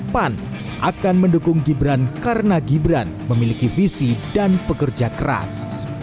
pan akan mendukung gibran karena gibran memiliki visi dan pekerja keras